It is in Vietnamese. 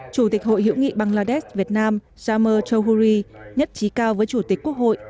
chủ tịch hội hiểu nghị bangladesh việt nam jamer chowhuri nhất trí cao với chủ tịch quốc hội